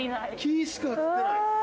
木しか写ってない。